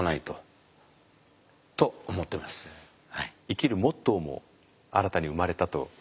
生きるモットーも新たに生まれたと？